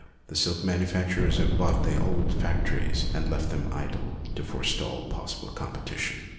The silk manufac turers have bought the old factories and left them idle to forestall possible competition.